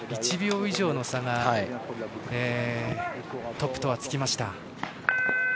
１秒以上の差がトップとはつきました。